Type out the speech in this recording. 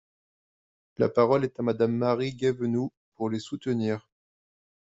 La parole est à Madame Marie Guévenoux, pour les soutenir.